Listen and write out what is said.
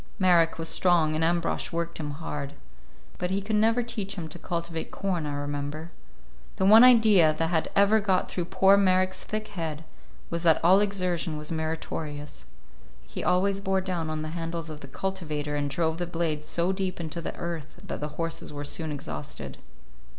Marek was strong, and Ambrosch worked him hard; but he could never teach him to cultivate corn, I remember. The one idea that had ever got through poor Marek's thick head was that all exertion was meritorious. He always bore down on the handles of the cultivator and drove the blades so deep into the earth that the horses were soon exhausted.